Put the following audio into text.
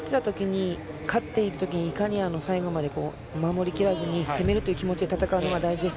勝っていた時に、いかに最後まで守りきらずに攻めるという気持ちで戦うのが大事です。